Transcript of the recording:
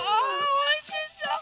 おいしそう！